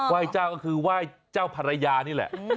ว่ายเจ้าก็คือไหว้เจ้าภรรยานี่แหละ